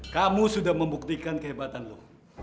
kamu sudah membuktikan kehebatan lo